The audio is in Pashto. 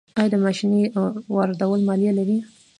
آیا د ماشینرۍ واردول مالیه لري؟